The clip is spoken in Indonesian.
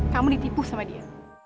kamu ditipu sama dia